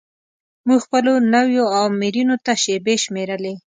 موږ خپلو نویو آمرینو ته شیبې شمیرلې.